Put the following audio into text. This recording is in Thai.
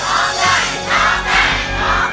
จะใช้หรือไม่ใช้ครับ